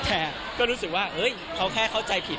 แต่ก็รู้สึกว่าเฮ้ยเขาแค่เข้าใจผิด